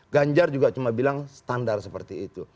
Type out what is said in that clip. ganjar juga cuma bilang standar seperti itu